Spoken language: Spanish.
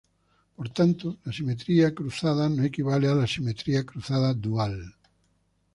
Por tanto la simetría cruzada no equivale a la simetría cruzada dual.